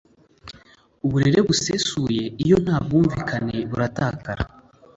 uburere busesuye iyo nta bwumvikane buratakara.